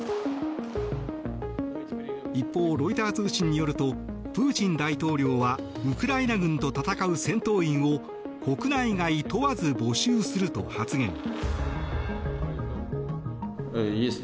一方、ロイター通信によるとプーチン大統領はウクライナ軍と戦う戦闘員を国内外問わず募集すると発言。